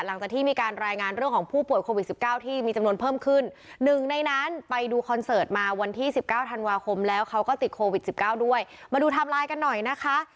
หลังจากที่มีการรายงานเรื่องของผู้ป่วยโควิดสิบเก้าที่มีจำนวนเพิ่มขึ้นหนึ่งในนั้นไปดูคอนเสิร์ตมาวันที่สิบเก้าธันวาคมแล้วเขาก็ติดโควิดสิบเก้าด้วยมาดูไทม์ไลน์กันหน่อยนะคะ